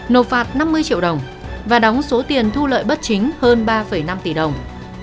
nộp phạt năm mươi triệu đồng và đóng số tiền thu lợi bất chính hơn ba năm tỷ đồng